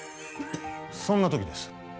そんな時です